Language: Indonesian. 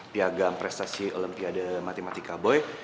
piagam prestasi olimpiade matematika boy